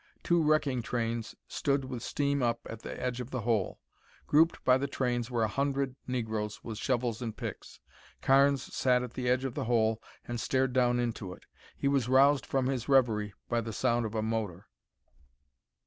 Two wrecking trains stood with steam up at the edge of the hole. Grouped by the trains were a hundred negroes with shovels and picks. Carnes sat at the edge of the hole and stared down into it. He was roused from his reverie by the sound of a motor.